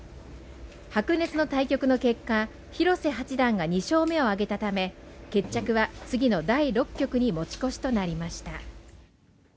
白熱の対局の結果、広瀬八段が２勝目を挙げたため決着は次の第六局に持ち越しとなりました。